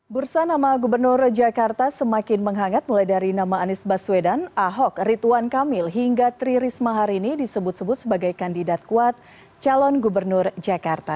bursa nama gubernur jakarta semakin menghangat mulai dari nama anies baswedan ahok rituan kamil hingga tri risma hari ini disebut sebut sebagai kandidat kuat calon gubernur jakarta